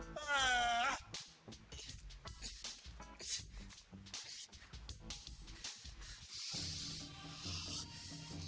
langsung kita berganti ke dalam ku